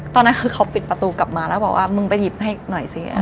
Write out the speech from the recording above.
ตอนนั้นคือเขาปิดประตูกลับมาแล้วบอกว่ามึงไปหยิบให้หน่อยสิ